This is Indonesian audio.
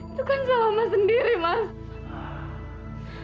itu kan salah mas sendiri mas